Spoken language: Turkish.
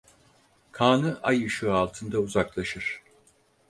Kağnı ay ışığı altında uzaklaşır.